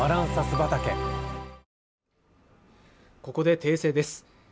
ここで訂正です